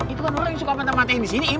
itu kan orang yang suka mata mata yang disini im